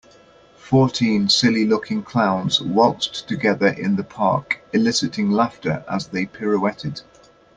Fourteen silly looking clowns waltzed together in the park eliciting laughter as they pirouetted.